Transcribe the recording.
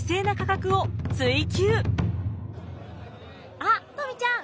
あっとみちゃん